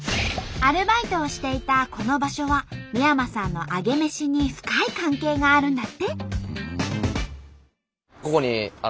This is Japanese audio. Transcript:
アルバイトをしていたこの場所は三山さんのアゲメシに深い関係があるんだって。